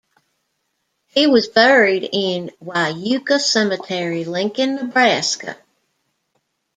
He was buried in Wyuka Cemetery, Lincoln, Nebraska.